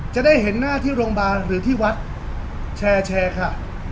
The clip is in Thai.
จะได้เห็นหน้าที่โรงพยาบาลหรือที่วัดแชร์ค่ะ